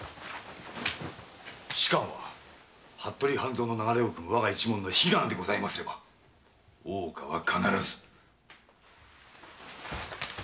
仕官は服部半蔵の流れをくむ我が一門の悲願でございますれば大岡は必ず。